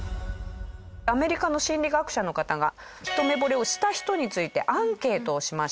アメリカの心理学者の方が一目惚れをした人についてアンケートをしました。